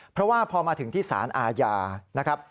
เพราะว่าพอมาถึงที่สารอาญานะครับ